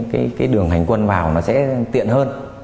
cái đường hành quân vào nó sẽ tiện hơn